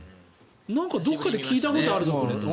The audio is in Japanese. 何かどこかで聞いたことあるぞと。